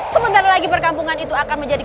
sebentar lagi perkampungan itu akan menjadi